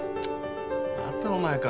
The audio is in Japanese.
またお前か。